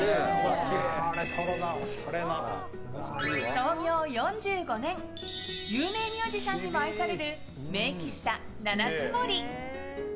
創業４５年有名ミュージシャンにも愛される名喫茶、七つ森。